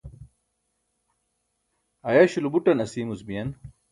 ayaśulo buṭan asiimuc biyen